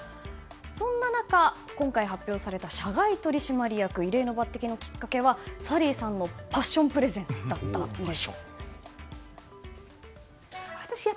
そんな中、今回発表された社外取締役への異例の抜擢のきっかけはサリーさんのパッションプレゼンだったんです。